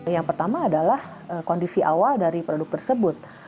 yang pertama adalah kondisi awal dari produk tersebut